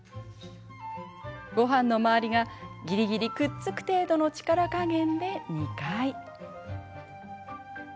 ごはんのまわりがぎりぎりくっつく程度の力加減で２回。